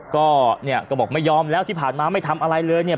ก็เนี่ยก็บอกไม่ยอมแล้วที่ผ่านมาไม่ทำอะไรเลยเนี่ย